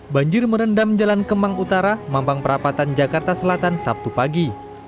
banjir merendam jalan kemang utara mampang perapatan jakarta selatan sabtu pagi